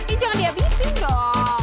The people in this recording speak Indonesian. ini jangan dihabisin dong